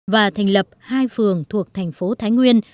và thành lập hai phường thuộc thành phố thái nguyên